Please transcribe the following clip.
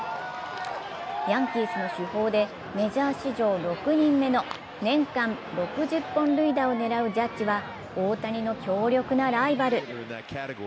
ヤンキースの主砲でメジャー史上６人目の年間６０本塁打を狙うジャッジは大谷の強力なライバル。